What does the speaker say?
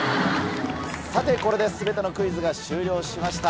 さてこれで全てのクイズが終了しました。